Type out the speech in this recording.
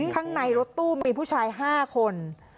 ข้างในรถตู้มีผู้ชาย๕คน